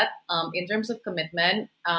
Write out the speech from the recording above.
tapi dalam hal komitmen